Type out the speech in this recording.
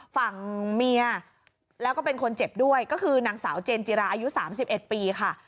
ฝั่งเมียแล้วก็เป็นคนเจ็บด้วยก็คือนางสาวเจนจิราอายุ๓๑ปีค่ะ